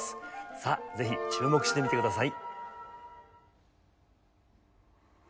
さあぜひ注目して見てください。